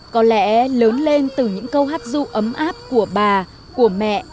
có lẽ lớn lên từ những câu hát ru ấm áp của bà của mẹ